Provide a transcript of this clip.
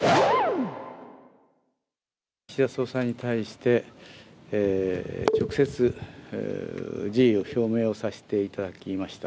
岸田総裁に対して、直接辞意を表明させていただきました。